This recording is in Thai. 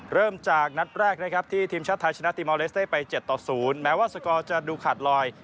เริ่มจากนัดแรกนะครับที่ทีมชาติไทยชนะติมอลเลสได้ไป๗ต่อ๐แม้ว่าสกอร์จะดูขาดลอย